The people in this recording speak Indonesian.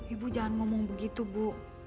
ibu jangan ngomong begitu bu